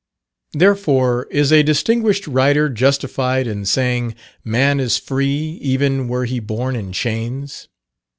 Therefore is a distinguished writer justified in saying, "Man is free, even were he born in chains."